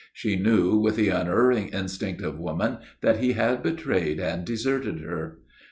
She knew, with the unerring instinct of woman, that he had betrayed and deserted her.